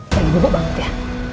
bagi gue bangun ya